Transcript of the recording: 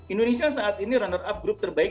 indonesia saat ini runner up group terbaik